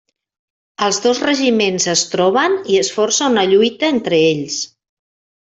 Els dos regiments es troben i es força una lluita entre ells.